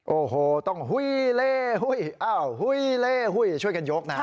โอ้โหต้องหุ้ยเล่หุ้ยช่วยกันยกนะ